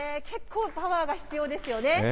けっこうパワーが必要ですよね。